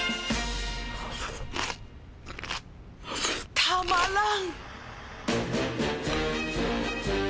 とまらん